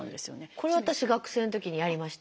これ私学生のときにやりました。